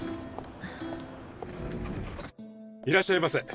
いらっしゃいませ。